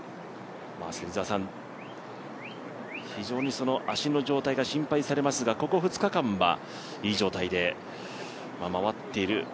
非常に足の状態が心配されますがここ２日間は、いい状態で回っている。